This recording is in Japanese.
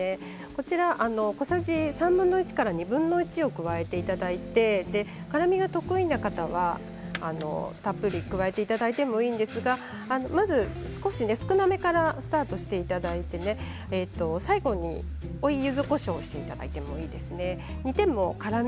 こちら小さじ３分の１から２分の１を加えていただいて辛みが得意な方はたっぷり加えていただいてもいいんですがまず少し、少なめからスタートしていただいて最後に追いゆずこしょうをしていただいてもいいですね。